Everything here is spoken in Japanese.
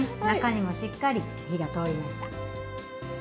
中にもしっかり火が通りました。